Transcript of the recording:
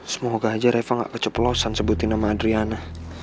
semoga aja reva gak keceplosan sebutin sama adriana